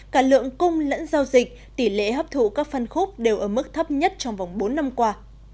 cả lượng cung lẫn giao dịch tỷ lệ hấp thụ các phân khúc đều ở mức thấp nhất trong vòng bốn năm qua